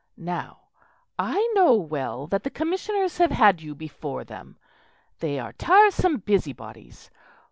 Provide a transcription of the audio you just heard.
"Now, I know well that the Commissioners have had you before them; they are tiresome busybodies.